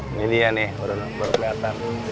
ini dia nih baru kelihatan